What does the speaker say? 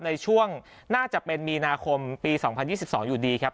ในช่วงน่าจะเป็นมีนาคมปี๒๐๒๒อยู่ดีครับ